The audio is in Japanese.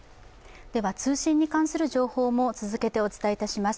通信に関する情報も続けてお伝えいたします。